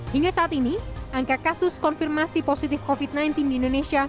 hingga saat ini angka kasus konfirmasi positif covid sembilan belas di indonesia